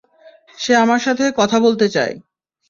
সে আমার সাথে কথা বলতে চায়।